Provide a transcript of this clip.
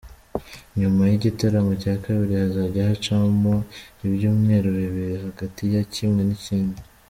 Nyuma y’igitaramo cya kabiri hazajya hacamo ibyumweru bibiri hagati ya kimwe n’ikindi.